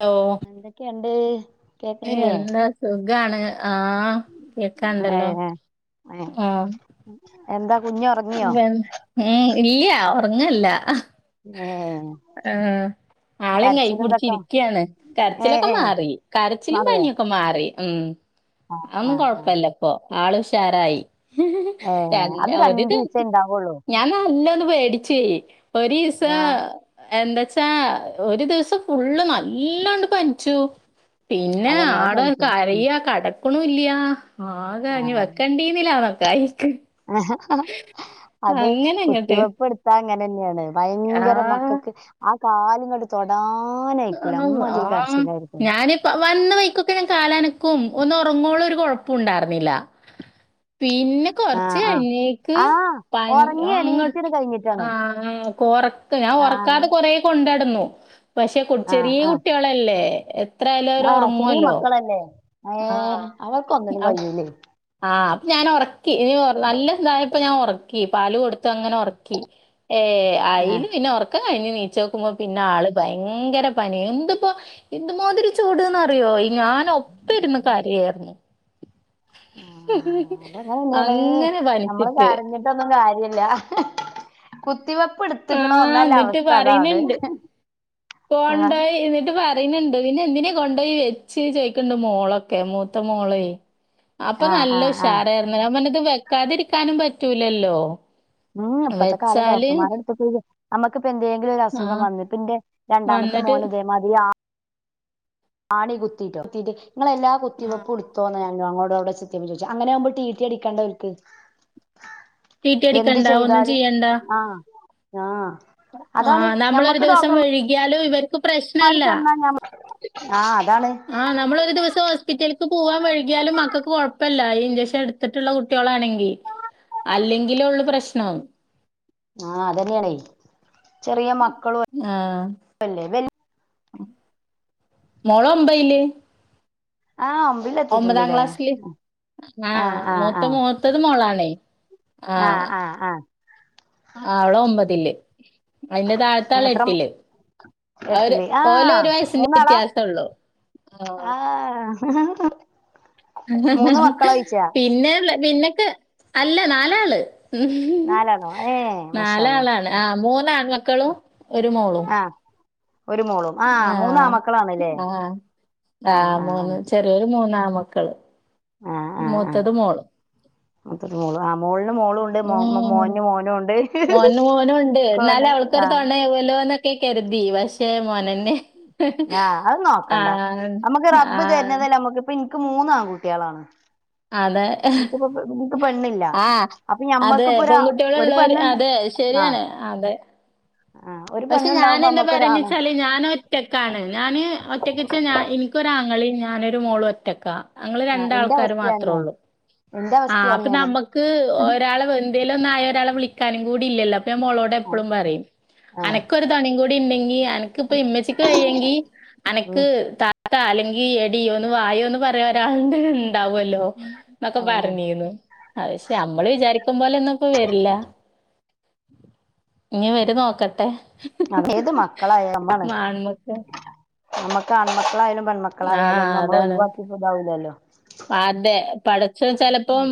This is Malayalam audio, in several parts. ഓ. എന്തൊക്കെയണ്ട്.? ഏ, എന്താ സുഖാണ്. ആ, കേക്കാണ്ടല്ലോ ഏഹ് ഏഹ് ആ. എന്താ കുഞ്ഞ് ഉറങ്ങിയോ? ഉം. ഇല്യ ഉറങ്ങല്ല. ഉം. ആളെയും കൈപ്പിടിച് ഇരിക്കയാണ്. ഏഹ് കരച്ചിലൊക്കെ ഏഹ് മാറി. കരച്ചിലും മാറിയോ പനിയൊക്കെ ഒക്കെ മാറി. ഉം. ആഹ് അതൊന്നും ആഹ് ആഹ് കൊഴപ്പല്ല ഇപ്പൊ. ആൾ ഉഷാറായി. ഏ, അത് രണ്ടീസം. ഞൻ നല്ല ഒന്ന് പേടിച്ചെ, ഒരു ദിവസം ആഹ് എന്താച്ചാ ഒരു ദിവസം ഫുള്ള് നല്ലോം പനിച്ചു. പിന്നെ അതന്നെ അത് ആള് പനിച്ചത് ഉം കരയ കടക്കണില്ല. ആകെ ഇനി ആഹ് വെക്കണ്ടീന്നില്ലാന്നൊക്കായി നിക്ക്. അത് അങ്ങനങ്ങട്ട് കുത്തിവെപ്പ് എടുത്താ അങ്ങനെന്നെയാണ്. ഭയങ്കര ആഹ് മക്കൾക്ക് ആ, കാല്ങ്ങട്ട് തൊടാനായിക്കൂല ആഹ് അമ്മാതിരി ആഹ് കരച്ചില്ലായിരുന്നു. ഞാന് വന്ന വൈക്കൊക്കെ ഞാൻ കാലനക്കും ഒന്ന് ഉറങ്ങോളംഒരു കൊഴപ്പ ഉണ്ടായിരുന്നില്ല. പിന്നെ കൊറച്ച് ആഹ് ആഹ് കഴിഞ്ഞേക്ക് ആഹ് പനി ഉറങ്ങി എണീറ്റത് അങ്ങട്ട് കഴിഞ്ഞിട്ടാണ് ആ, ഉറക്ക് ഞാൻ ആഹ് ഉറക്കാതെ കൊറെ കൊണ്ടാടുന്നു. പക്ഷെ ആഹ് ചെറിയ ആഹ് കുട്ടികളല്ലേ. എത്രയാലും അവര് ഒറങ്ങോല്ലോ. തന്നേ. ആ, അ ആ, അപ്പൊ ഞാനൊർക്കി. ഇ നല്ല ഇതായപ്പ ഞാനൊർക്കി. പാല് കൊടുത്ത് അങ്ങനെ ഉറക്കി. ഏ, ആഹ് അയിൽ പിന്നെ ഉറങ്ങി. ഉറക്കം കഴിഞ്ഞ് നീച്ചോനോക്കുമ്പോ പിന്നെ ആൾ ഭയങ്കര പനി എന്ത്പ്പോ എ ന്ത്മാതിരി ചൂട്ന്ന്റിയോ, ഞാനൊഒപ്പ ഇരുന്നു കരയ. അതങ്ങനെ തന്നെയാണ് അങ്ങനെ നമ്മള് പനിചിട്ട്. കരഞ്ഞിട്ടൊന്നും കാര്യല്ല. കുത്തിവെപ്പ് എടുത്തുകണോ, ആഹ് ഇന്ന ല്ല എന്നിട്ട് അവസ്ഥ അതാണ്. ആഹ് പോണ്ടോയി ന്നിട്ട് പറ പിന്നെ എന്തിനാ കൊണ്ടോയി വെച്ച് ചോയ്ക്ക്ണ്ട് മോളൊക്കെ, മൂത്ത മോളെയ് അപ്പൊ ആഹ് നല്ല ആഹ് ആഹ് ഉഷാറായിന്നു. അപ്പ ഇത് വെക്കാതിരിക്കാനും പറ്റൂലല്ലോ. ഉം. ഇപ്പഴത്തെ കാലം വെച്ചാല് ഡോക്ടർമാരെടുത്ത് പോയി നമ്മക്കിപ്പ എന്തെങ്കിലുരു അസുഖം ആഹ് വന്നു പിന്റെ, രണ്ടാമത്തെ വന്നിട്ട് മോനുതേമതിരി ആ ആണി കുത്തിയിട്ടോ നിങ്ങളെല്ലാ കുത്തിവെപ്പു തോന്ന ഞാനോ അവടെ അ. ങ്ങനെവുമ്പോ ടീറ്റി അടിക്കണ്ട ഓൽ ക്ക്. ട്ടീട്ടി എന്ത് അടിക്കണ്ട ഒന്നും ചെയ്താലും, ചെയ്യണ്ട ആ, ആ. നമ്മളൊരു ദിവസം വഴുകിയാലും ഇവർ പ്രശ്നല്ല ചെന്നാ ഞമ്മ ആഹ് ആ, അതാണ് നമ്മളരു ദിവസം ഹോസ് സ്പിറ്റേക്ക് പോവാൻ വഴുകിയാലും മക്കൾക്ക് കൊഴപ്പല്ല. ഈ ഇൻചെക്ഷൻ ഇടുത്തിട്ട്ള്ള കുട്ടികളാണെങ്കി അല്ലെങ്കിലൊള്ളു പ്രശ്നം. ആഹ അതന്നെയാണ് ആഹ അല്ലേ വല് മോളോമ്പയില് ആഹ് അമ്പിലെത്തി ഒമ്പതാം ക്ലാസ്സില് ആഹ ആഹ് ആഹ് മൂത്ത മൂത്തത് മോളാണേ ആഹ ആഹ് ആഹ ആഹ അവളൊമ്പതില് അയിന്റെ താഴത്താള് എത്ര എട്ടില് അവര് എട്ടില് ഓലൊരു വയസിന്റെ വ്യത്യാസള്ളു ആഹ പിന്നെള്ള പിന്നക്കെ അല്ല നാലാള് നാലാണോ ഏഹ് മാഷാ അള്ളാ നാലാളാണ് ആഹ മൂന്നാൺമക്കളും ഒരു മോളും ആഹ ഒരു മോളും ആഹ മൂന്നാമക്കളണ്ല്ലേ ആഹ മൂന്ന് ചെറിയൊരു മൂന്നാൺമക്കള് മൂത്തത് മോളും ആഹ മോളിന് മോളു ണ്ട് ഉം മോന് ന് മോനുണ്ട് ആഹ [unintelligible] ന്ന കരുതി പഷ ആഹ അത് ആ നോക്കണ്ട നമ്മക്ക് ആ റബ്ബ് തരുന്നതല്ല നമക്ക് ഇപ്പ ന്ക്ക് ക്ക് മൂന്നാൺ കുട്ടികളാണ് അതെ പെണ്ണില്ല ആഹ അപ്പൊ അതെ ഞമ്മക്കിപ്പോ ഒരു പെൺകുട്ടിള് ഒരു ള്ളോർ പെണ്ണുണ്ട് അതെ ശരിയാണ് അതെ ആഹ ഒരു ക്ഷെ പെണ്ണുണ്ടാവുമ്പോ ഞാനെന്താ നമ്മക്കൊരാണ് പറണീച്ചാല് ഞാനൊ റ്റക്കാണ് ഞാന് ഒറ്റക്കച്ച ഇൻക്കൊരങ്ങളീം ഞാനൊരു മോളും ഒറ്റക്ക നങ്ങള് ആ എന്റെ രണ്ടാൾക്കാര് അവസ്ഥ തന്നെ മാത്രള്ളൂ എന്റെ അവസ്ഥ ആഹ അപ്പൊ തന്നെയാണ് നമ്മക്ക് ഒരാള് എന്തേലും ഒന്നായ ഒരാള വിളിക്കാനും കൂടില്ലല്ലോ അപ്പൊഞ മോളോടെപ്പോഴും പറയും ആ അനക്കൊരു തൊണിം കൂടിണ്ടെങ്കി എനക്ക് പ്പ ഇമ്മച്ചക്ക് വയ്യെങ്കി അനക്ക് ഉം താത്ത അല്ലെങ്കി എടിന്ന് വായോന്ന് പറയാ ഒരാളു ഇണ്ടാവുല്ലോ ന്നൊക്കെ അതന്നെ പറഞ്ഞിന്നു ക്ഷെ നമ്മള് വിചാരിക്കുംപോലെന്നും വർല്ല ഇനി വര് നോക്കട്ടെ അതയേത് മക്കളായാലം അമ്മാണ് ആൺമക്കൾ നമ്മക്ക് ആൺമക്കളായാലും പെൺമ ആ മക്കളായാലുംഒന്ന നമ്മള് ഒഴിവാക്കിട്ട്താവില്ലല്ലോ അദെ പഠചോചിലപ്പം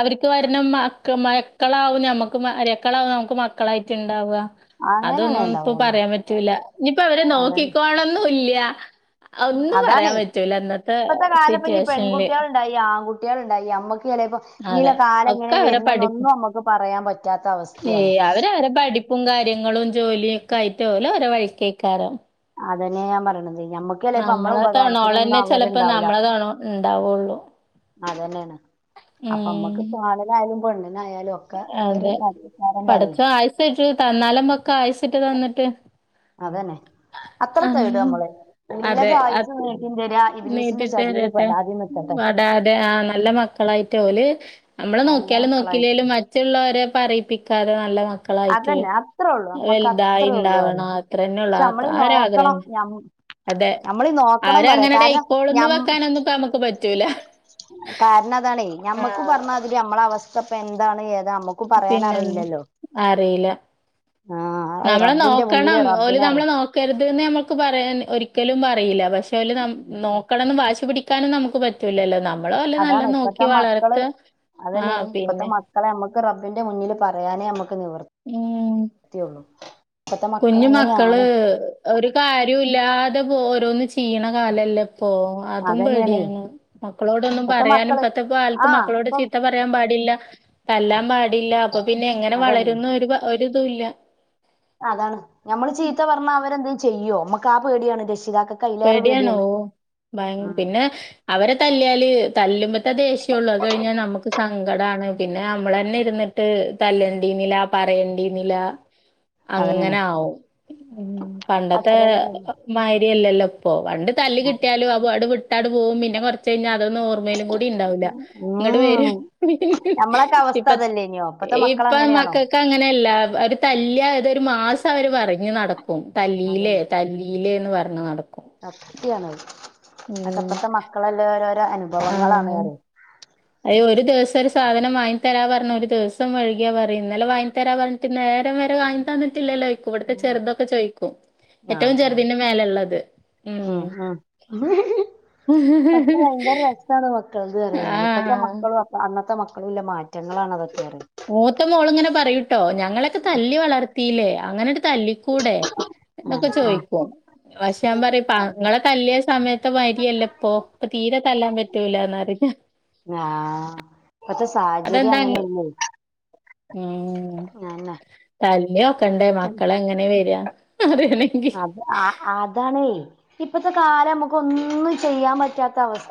അവര്ക്ക് വരണം മക്കമയ മക്കളാവും ഞമ്മക്ക് മര്ക്കളാവും നമക്ക് മക്കളായിട്ട്ണ്ടാവുവ അങ്ങനെന്നെ അതൊന്നും ഇപ്പം ഉണ്ടാവുള്ളൂ പറയാൻ പറ്റൂല ഇനിപ്പ അവരെ അതന്നെ നോക്കിക്കോണന്നും ഇല്യ അഒന്നും അതാണ് പറയാൻ പറ്റൂല ഇന്നത്തെ സിറ്റുവേശ് പെൺകുട്ടികൾ ഇണ്ടായി ആൺകുട്ടികൾ ഇണ്ടായി അമ്മക്ക് ചിലെപ്പം അതെ. ഇനിലെ കാല ഒക്കെ എങ്ങനെയ അവരെ പഠിപ്പ് വര്ന്നെന്നൊന്നും അമ്മക്ക് പറയാൻ പറ്റാത്ത അവസ്ഥയാണ് അഹ നിവരെ പഠിപ്പും കാര്യങ്ങളും ജോലിയും ഒക്കെ ആയിട്ട് ഓല അവര വര കേക്കാരം അതന്നെ ഞാൻ പറയണത് ഞമ്മക്ക് ക്കെല്ലേ ഇപ്പം മ്മള നമ്മളെ ഉപകാരത്തിനൊന്നും തൊണോളന്നെ ചെലപ്പോ അവരുണ്ടാവൂല നമ്മളെ തൊണ ഇണ്ടാവുള്ളൂ. അതന്നെയാണ് അപ്പമ്മക്ക് ഉം. ആണിനായാലും പെണ്ണിനായാലും ഒ ക്കെ ഒരു [unintelligible] കാരം പറയും [unintelligible] തന്നാല് മ്പക്ക ആയ്സ്ട്ട് തന്നിട്ട് അതന്നെ അത്ര തേട മ്മള് ഇള്ളത് ആയസ്സ് നീ നീട്ടി തരട്ടെ നിക്കട്ടെ വടാതെ ആഹ നല്ല മക്കളായിട്ട് ഓല് നല്ല നമ്മളനോക്കിയാലും മക്കളായിട്ട് നോക്കില്ലേലും മറ്റുള്ളവരെ പറയിപ്പിക്കാതെ നല്ല മ ക്കളായിട്ട് അതന്നെ അത്രേ ഉള്ളു നമ്മക്ക് വല്തായി അത്രേ ഉള്ളു ഇണ്ടാവണ അറിയാം അത്ര തന്നെള്ളു പക്ഷെ നമ്മളീ ആ ഒരാഗ്രഹ നോക്കണം ന്നെ ഞം- അതെ നമ്മളീ നോക്കണം പറയാ അവരങ്ങനെങ്ങണ്ട് കാരണം അയ്ക്കോള്ന്ന് ഞം വെക്കാനൊന്നുംനമുക്ക് പറ്റൂല കാരണം അതാണെ ആ ഞമ്മക്ക് പറഞ്ഞാതില് നമ്മളഅവസ്ഥ ഇപ്പ എന്താണ് ഏതാ മ്മക്ക് പിന്നെന്ത അറിയില്ല ആ അത് റബ്ബിന്റെ നമ്മളനോക്കണം മുന്നില് ഓല് റബ്ബിനെ നമ്മള അറിയാം നോ രുത് നമ്മക്ക് പറയാൻ ഒരിക്കലും പറയീല പക്ഷേ ഓല് നമ്മെ നോക്കണംന്ന് വാശി പിടി ക്കാനും നമുക്ക് പറ്റൂലല്ലോ നമ്മള അവരെ നല്ല അതാണ് ഇപ്പത്തെ നോക്കി വളർത്ത മക്കള് ആഹ അതന്നെയാണ് ഇപ്പത്തെ പിന്നെ മക്കളെ നമ്മക്ക് റബ്ബിന്റെ മുന്നില് പറയാനേ നമ്മക്ക് നിവർത്തിയുള്ളു കുഞ്ഞ്മക്കള് ഒരു കാര്യംല്ലാതെ പോ ഓരോന്ന് ചെയ്യണ കാലല്ലേ പ്പോ അതും അതന്നെയാണ് പേടിയാണ് മക്കളോടൊന്നും ഇപ്പത്തെ പറയാനും മക്കള് ഇപ്പത്തെ ആ കാലത്ത് മക്കളോട് ഇപ്പം ചീത്ത പ റയാൻ പാടില്ല തല്ലാൻ പാടില്ല അപ്പം പിന്നെ എങ്ങനെ അതന്നെ വളരുന്ന്‌ഒരിതു്ല്ല അതാണ് ഞമ്മള് ചീത്ത പറഞ്ഞാ അവരെന്തു ചെയ്യോ മ്മക്ക് ആ പേടിയാണ് രക്ഷിതാക്ക പേടിയാണ് ഓഹ പിന്നെ അവരെ തല്ലിയാല് തല്ലുമ്പ ത്തെ ദേഷ്യേ ഉള്ളൂ അത് കയിഞ്ഞാ നമക്ക് സങ്കടാണ് പിന്നെ നമ്മള്ന്നെ ഇരിന്നിട്ട തല്ലേണ്ടി ന്നീലാ പറയേണ്ടി ന്നീല അതന്നെയാണ് അങ്ങനെ ആവും പണ്ടത്തെ അത്ര തന്നെ മായിരിയല്ലല്ലോ ഇപ്പൊ പണ്ട് തല്ല് കിട്ടിയാലും അത് വിട്ടാട് പോവും പിന്നെ കൊറച്ച് കഴിഞ്ഞാ അതോ ഓർ ർമ്മയിലും കൂടി ഉണ്ടാവില്ല ഇങ്ങോട്ട് വരും ഉം നമ്മളൊക്കെ അവസ്ഥ അതല്ലേ ഇനിയോ ഇപ്പത്തെ മക്കൾ ഇപ്പം അങ്ങനെയാണോ മക്കക്ക് അങ്ങനയല്ല ഒര് തല്ലിയാ അത ഒരു മാസ് വര് പറഞ്ഞ നടക്കും തല്ലിലേ അതന്നെ തല്ലിലേന്ന് പറഞ്ഞ് നടക്കും സത്യാണ് അത് ഉം 'ഇപ്പത്ത മക്കളല്ലെ രോരോ അനുഭവങ്ങളാണ് ന്നറിയും അതിന് ഒരു ദിവസം ഒരു സാധനം വാ ങ്ങിതരാ പറഞ്ഞു ഒര്ദിവസം വഴുകിയാ പറയും ഇന്നലെ വാങ്ങി തരാ പറഞ്ഞ് ഈ നേരം വരെ വങ്ങി തന്നിട്ടില്ലല്ലോയിക്ക് ഇവിടത്തെ ഉം. ചെറതൊക്കെ ചോയിക്കും ആ ഏറ്റെവും ആ ചെറുതിന്റെ മേല ള്ളത് ഉം ഉം ഉഹ് ഹ് ഹ് താണ് മക്കൾത് ന്നറിയും ഞാന് ഇപ്പത്തെ മക്കളും അന്നത്തെ മക്കളും ഉള്ള മാറ്റങ്ങളാണ് ഇതൊക്കെ അറിയുന്നത് മൂത്ത മോള ഇങ്ങനെ പറയൂട്ടോ ഞങ്ങളൊക്കെ തല്ലി വളർത്തി ലെ അങ്ങനെ ണ്ട്തല്ലിക്കൂടെ എന്നക്കെ ആഹ് ആഹ് ചോയ്ക്കും പക്ഷേ ഞാൻ പറയും ഇങ്ങളെ തല്ലിയ സമയത്ത് മാരിയല്ല ഇപ്പൊ ഇപ്പ തീരെ തല്ലാൻ പറ്റൂ ലന്നറിയും ഹ് ആഹ ഇപ്പത്തെ സാഹചര്യം അങ്ങനെ ണ് ആന്നെ തല്ലിയോ ക്കണ്ടേ മക്കള എങ്ങനെ വരിയാ അതന്നെ അഹ അതാണെ ഇപ്പത്തെ കാലം നമുക്ക് ഒന്നും ചെയ്യാൻ പറ്റ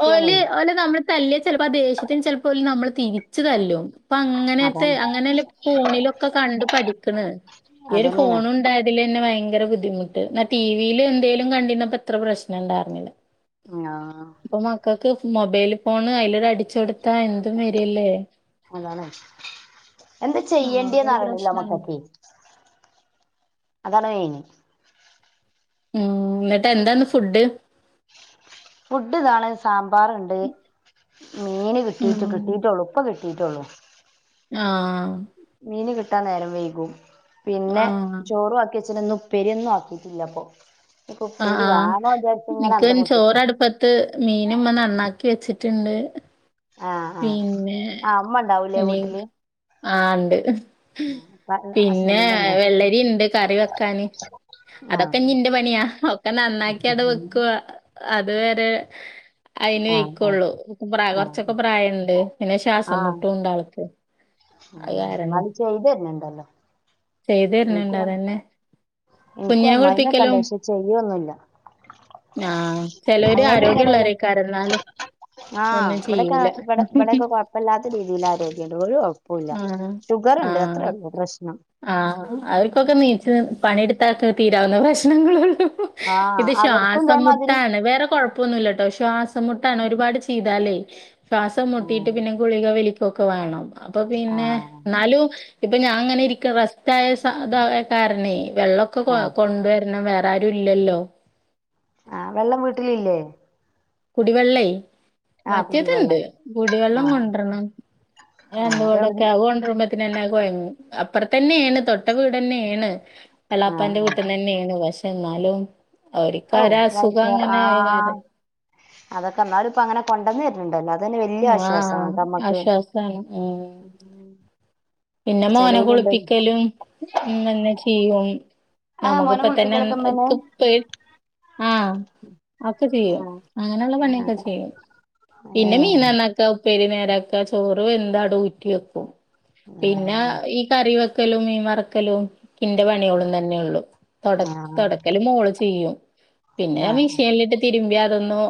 ഓല് ഓലെ നമ്മള് തല്ലിയ ചിലപ്പോ ആ ദേഷ്യത്തിന് ചിലപ്പോ നമ്മളെ തിരിച്ചു തല്ലും അപ്പ അങ്ങനത്തെ അതാണ് അങ്ങനെയല്ല ഫോണിലൊക്കെ കണ്ട് പഠിക്കണ് ഈ ഒരു അതന്നെയാണ് ഫോൺ ഉണ്ടായത് തന്നെ ഭയങ്കര ബുദ്ധിമുട്ട് എന്നാടിവിയില് എന്തേലും കണ്ടിന്നപ്പോ ഇത്ര പ്രശ്നം ഉണ്ടായിരുന്നില്ല ആഹ ഇപ്പൊ മക്കൾക്ക് മൊബൈല് ഫോണ് അതിലൊരു അടിച്ചടുത്താ എന്തും വരില്ലേ അതാണ് എന്ത്ാ ആഹ് ചെയ്യേണ്ടിന്ന് അതൊരു അറിയണില്ല പ്രശ്നാണ്. മക്കക്കക്ക് അതാണ് ഉം എന്നിട്ട് എന്താന്ന് ഫുഡ് ഫുഡ് ഇതാണ് സാമ്പാറണ്ട് മീൻ കിട്ടിട്ട് ഉം കിട്ടീട്ട് ളുപ്പ ഇപ്പകിട്ടി ട്ടൊള്ളു ആഹ മീൻ കിട്ടാൻ നേരം വൈകും പിന്നെ ആഹ് ചോറു ആക്കിച്ച്ണ്ന്ന് ഉപ്പേരിയൊന്നും ആക്കിട്ടില്ല അപ്പൊ ഇപ്പൊ ആഹ് ഉപ്പേരി വാണോചാരിച്ച്ങ്ങനെ അന്തംവിട്ട് നിക്ക ത്ത് മീന് ഇമ്മ നന്നാക്കി വെച്ചിട്ടുണ്ട് ആഹ് ആഹ് പിന്നെ ആഹ് ഉമ്മ ഉണ്ടാവൂലേ വീട്ടില് ആഹ് ഇണ്ട് പിന്നെ ഹസ്ബൻഡിന്റെ ഉമ്മേ വെള്ളരി ഉണ്ട് കറി വെക്കാാന് ആഹ് അതൊക്കെ ഞ്ഞി ഇന്റെ പണിയാ ഒക്കെ നന്നാക്കി അത് വെക്കും അത് വരെ അതിന് ആഹ് വൈക്കുള്ളൂ ആഹ് കുറച്ചൊക്കെ പ്രായണ്ട് പിന്നെ ശ്വാസം മുട്ടുംണ്ട് ആൾക്ക് അത് ഉം എന്നാലും ചെയ്തെര്ണ് ണ്ടല്ലോ ചെയ്തു തരണണ്ട് അതന്നെ ഇൻക്കും കുഞ്ഞിനെ അമ്മായിമ്മക്കെണ്ട് കുളിപ്പിക്കലും പക്ഷെ ചെയ്യൊന്നുല്ല ആഹ് ചിലര് അങ്ങനെ ഇങ്ങനെല്ല ആരോഗ്യംമള്ളവരേക്കാരം എന്നാലും ആഹ് ഒന്നും ഇവിടെക്കെ ചെയ്യൂല ഇവിടെ ഇവിടെക്കെ കൊഴപ്പല്ലാത്ത രീതിയിൽ ആരോഗ്യണ്ട് ഒരു കൊഴ പ്പുല്ല ആ ഷുഗറ്ണ്ട് ആ അത്രേ ഉള്ളൂ പ്രശ്നം ആഹ് അവർക്കൊക്കെ നീച്ച് പണിയെടുത്താക്കെ തീരാവുന്ന പ്രശ്നങ്ങളേ ഉള്ളൂ ആഹ് അവർക്കും ഇതേ മാതിരി വേറെ കുഴപ്പൊന്നുമല്ലട്ടോ ശ്വാസം മുട്ടാണ് ഒരുപാട് ചെയ്താലേ ശ്വാസം ആഹ് മുട്ടിയിട്ട് പിന്നെ ഗുളിക വലിക്കൊക്കെ വേണം അപ്പൊ പിന്നെ ആഹ് എന്നാലും ഇപ്പൊ ഞാൻ അങ്ങനെ ഇരിക്കും റസ്റ്റ് ആയത് കാരണേ വെള്ളമൊക്കെ കൊ ആഹ് കൊണ്ടുവരണം വേറെ ആരും ഇല്ലല്ലോ ആഹ് വെള്ളം വീട്ടിലില്ലേ കുടിവെള്ളെയ് ആഹ് മറ്റേതുണ്ട് കുടിവെള്ളം കുടിവെള്ളം ആഹ് കൊണ്ടരണം രണ്ട് ആഹ് കൊടൊടക്കെ എവിടുന്ന് ആ കൊണ്ടരുമ്പം ന്നെ അത് കൊഴങ്ങും അപ്പറത്തന്നെയണ് തൊട്ട വീട് തന്നെയണ് എള്ളാപ്പാന്റെ ആഹ് വീട്ട്ന്ന് തന്നെയാണ് പക്ഷെ എന്നാലും അവർക്ക് ഔ പൈസ അസുഖം അങ്ങനെ ആയത് കാരണം ആഹ് അതൊക്കെ എന്നാലും ഇപ്പോ അങ്ങനെ കൊണ്ടന്ന് തര്ന്ണ്ടല്ലോ അതന്നെ വല്യ ആഹ് ആശ്വാസമാണ് നമ്മക്ക് ആശ്വാസാണ് ഉം പിന്നെ പക്ഷെ മോനെ ചെലോലുണ്ട് കുളിപ്പിക്കലും ഉമ്മന്നെ ചെയ്യും ആഹ് മോനെ നമുക്കിപ്പതന്നെ കുളിപ്പിക്കലൊക്കെ ഉമ്മന്നെ [unintelligible] പോയി ആഹ് ഒക്കെ ചെയ്യും ആഹ് അങ്ങനെയുള്ള പണിയൊക്കെ ആഹ് ചെയ്യും പിന്നെ മീൻ ഏഹ് നന്നാക്ക ഉപ്പേരി നേരാക്ക ചോറ് വെന്ത് അട് ഊറ്റി വെക്കും പിന്നെ ആഹ് ഈ കറി വെക്കലും മീൻ വറക്കലും ഇന്റെ പണികളും തന്നെയുള്ളു തൊട ആഹ് തൊടക്കല് മോള് ചെയ്യും പിന്നെ ആ ആഹ് മിഷനിലിട്ട് തിരുമ്പി അതൊന്നും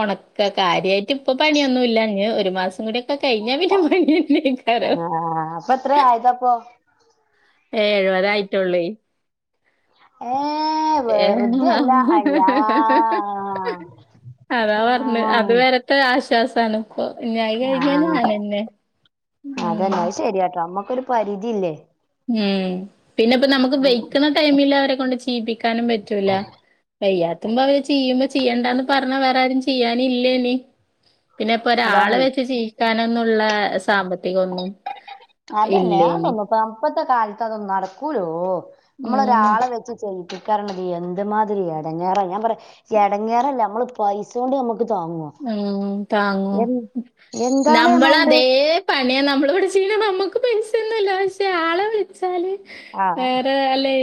ഉണക്ക കാര്യമായിട്ട് ഇപ്പൊ പണിയൊന്നും ഇല്ല ഞ് ഒരു മാസം കൂടി ക്കെ കഴിഞ്ഞാ പിന്നെ പണിയെന്നെയ്ക്കാരം ഇപ്പത്രേ ആയതപ്പം ഏഹ് എഴുപത് ആയിട്ടുള്ളേ ഏഹ് ഏഹ് വെറുതെയല്ല അയ്യാ [inaudible] അതാ പറഞ്ഞത് അത് ആഹ് വരത്തെ ആശ്വാസമാണ് അപ്പ ഞ്ഞത് കഴിഞ്ഞ ഞാനെന്നെ അതന്നെ ഉം അത് ശരിയാട്ടോ നമുക്കൊരു പരിധില്ലേ? ഉം പിന്നെ ഇപ്പം നമുക്ക് വെയ്ക്ക്ണ ടൈമില് അവരെ കൊണ്ട് ചെയീപ്പി ക്കാനും പറ്റൂല വയ്യാ ത്തുമ്പോ അവര് ചെയ്യുമ്പോ ചെയ്യേണ്ടന്ന് പറഞ്ഞാ വേറെ ആരും ചെയ്യാനുല്ലേനി. പിന്നെ ഇപ്പൊ അതാണ് ഒരാളെ വെച്ച് ജീവിക്കാനന്നുള്ള സാമ്പത്തികൊന്നും അതെന്നെ ഇല്ലേനി. അതൊന്നും ഇപ്പ ഇപ്പത്തെ കാലത്ത് അതൊന്നും നടക്കൂലോ നമ്മള് ഉം ഒരാളെ വെച്ച് ചെയ്യിപ്പിക്കാറിണത് എന്ത്മാതിരി എടെങ്ങേറാ ഞാൻ പറയാ എടെങ്ങേറല്ല നമ്മള് പൈസൗണ്ട് നമ്മക്ക് താങ്ങോ? ഉം താങ്ങോ എൻ എന്താണ് നമ്മള എമൗണ്ട് അതേ പണിയ നമ്മള് ഇവിടെച്ചെയ്ണെ നമ്മുക്ക് പെസൊന്നുല്ല പക്ഷെ ആളെ വിളിച്ചാല് ആ വേറെ അല്ലേ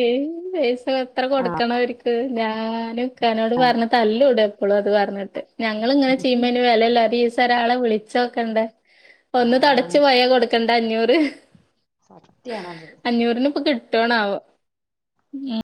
പൈസ എത്ര ആ കൊടുക്കണ അവര് ക്ക്‌ ഞാന് ഇക്കാനോട് പറഞ്ഞ് തല്ലൂടും എപ്പളും അത് പറഞ്ഞിട്ട് ഞ ങ്ങള് ഇങ്ങനെ ചെയ്യുമ്പോംഅയിന് വെലല്ല ഒരീസൊരാളെ വിളിച്ചോക്കണ്ടെ ആ ഒന്ന് തൊടച്ച് പോയ കൊട് ക്കെണ്ട അഞ്ഞൂറ്. സത്യാണത്. അഞ്ഞൂറിന് ഇപ്പ കിട്ടണാവൊ? ഉം